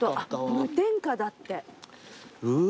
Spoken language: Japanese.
無添加だって。うわ。